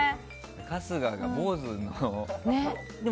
春日が坊主で。